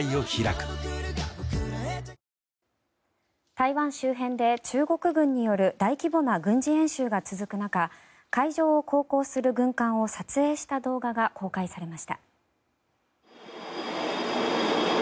台湾周辺で中国軍による大規模な軍事演習が続く中海上を航行する軍艦を撮影した動画が公開されました。